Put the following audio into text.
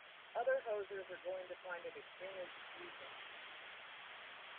Other hosers are going to find it extremely confusing.